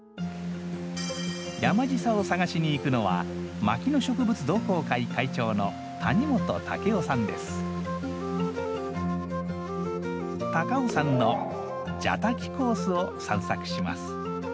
「山ぢさ」を探しに行くのは高尾山の蛇滝コースを散策します。